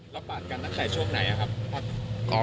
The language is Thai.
ปาดกันตั้งแต่ช่วงไหนครับ